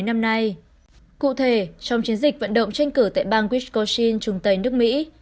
nay cụ thể trong chiến dịch vận động tranh cử tại bang wisconsin trung tây nước mỹ